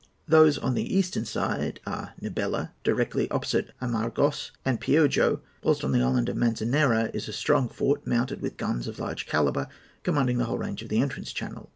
Those on the eastern side are Niebla, directly opposite Amargos, and Piojo; whilst on the island of Manzanera is a strong fort mounted with guns of large calibre, commanding the whole range of the entrance channel.